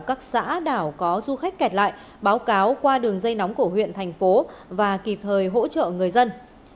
các xã đảo có du khách kẹt lại báo cáo qua đường dây nóng của huyện thành phố và kịp thời hỗ trợ người dân